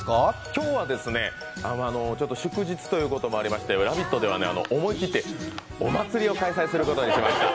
今日は祝日ということもありまして、「ラヴィット！」では思い切ってお祭りを開催することにしました。